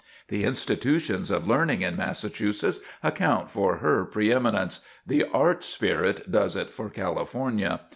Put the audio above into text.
The institutions of learning in Massachusetts account for her pre eminence; the art spirit does it for California.